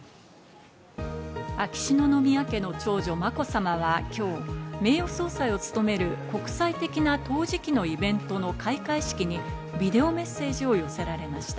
秋篠宮家の長女・まこさまは、今日、名誉総裁を務める国際的な陶磁器のイベントの開会式にビデオメッセージを寄せられました。